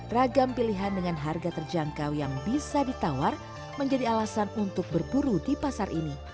ragam pilihan dengan harga terjangkau yang bisa ditawar menjadi alasan untuk berburu di pasar ini